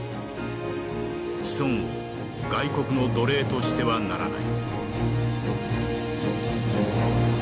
子孫を外国の奴隷としてはならない」。